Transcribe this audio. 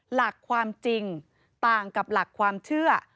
หลักความจริงต่างกับหลักความเชื่อ